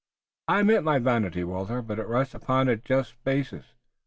"I admit my vanity, Walter, but it rests upon a just basis.